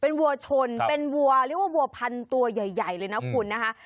เป็นวัวชนเป็นวัวเรียกว่าวัวพันตัวใหญ่เลยนะคุณนะคะ